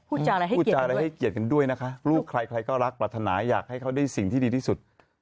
พูดจาอะไรให้เกียรติกันด้วยนะคะลูกใครใครก็รักปรารถนาอยากให้เขาได้สิ่งที่ดีที่สุด